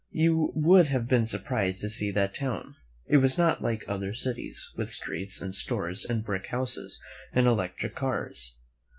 You would have been surprised to see that town. It was not like other cities, with streets, and stores, and brick houses, and electric cars.